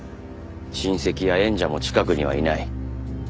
親戚や縁者も近くにはいない。